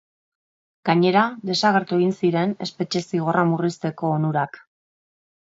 Gainera, desagertu egin ziren espetxe zigorra murrizteko onurak.